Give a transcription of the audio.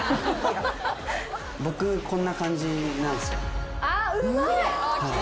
僕こんな感じなんすよ。